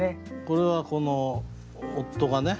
これはこの夫がね